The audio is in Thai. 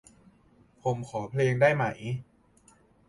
ผมขอเพลงได้ไหม ?